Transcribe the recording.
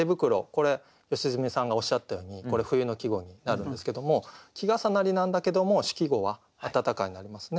これ良純さんがおっしゃったようにこれ冬の季語になるんですけども季重なりなんだけども主季語は「あたたか」になりますね。